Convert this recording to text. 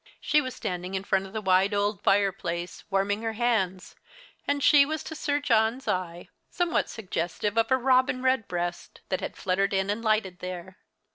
She was standing in front of the wide old fireplace, warming her hands, and she was to Sir John's eye somewhat suggestive of a robin redbreast that had fluttered in and lighted there.